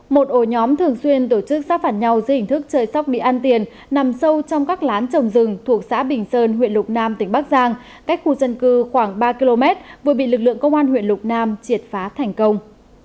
một ổ nhóm thường xuyên tổ chức sát phản nhau dưới hình thức chơi sóc mỹ ăn tiền nằm sâu trong các lán trồng rừng thuộc xã bình sơn huyện lục nam tỉnh bắc giang cách khu dân cư khoảng ba km vừa bị lực lượng công an huyện lục nam triệt phá thành công